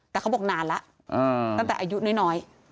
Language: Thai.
แต่เขาบอกนานแล้วตั้งแต่อายุน้อย